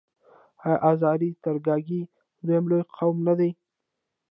آیا آذری ترکګي دویم لوی قوم نه دی؟